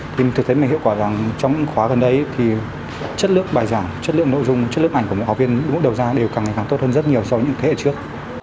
thì mình thực tế mình hiệu quả rằng trong những khóa gần đây thì chất lượng bài giảng chất lượng nội dung chất lượng ảnh của mỗi học viên mỗi đầu gia đều càng càng tốt hơn rất nhiều so với những thế hệ trước